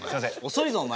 遅いぞお前。